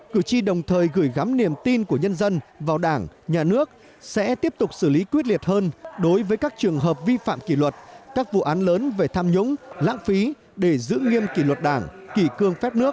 cử tri đồng thời gửi gắm niềm tin của nhân dân vào đảng nhà nước sẽ tiếp tục xử lý quyết liệt hơn đối với các trường hợp vi phạm kỷ luật các vụ án lớn về tham nhũng lãng phí để giữ nghiêm kỷ luật đảng kỳ cương phép nước